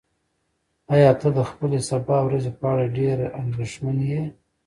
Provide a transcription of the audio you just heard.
ایا ته د خپلې سبا ورځې په اړه ډېر اندېښمن یې؟